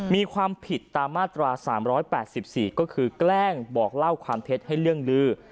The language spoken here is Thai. มีความผิดตามมาตรา๓๘๔ก็คือแกล้งบอกเล่าความเท็จให้เรื่องลือ